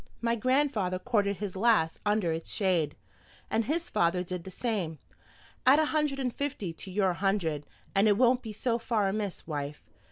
"My grandfather courted his lass under its shade, and his father did the same. Add a hundred and fifty to your hundred, and it won't be so far amiss, wife.